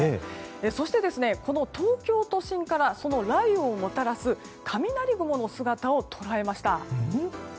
そして、この東京都心からその雷雨をもたらす雷雲の姿を捉えました。